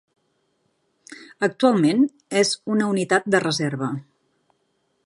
Actualment, és una unitat de reserva.